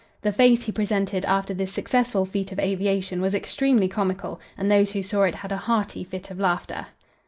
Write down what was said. The face he presented after this successful feat of aviation was extremely comical, and those who saw it had a hearty fit of laughter.